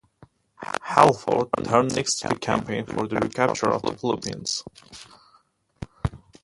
"Halford" turned next to the campaign for the recapture of the Philippines.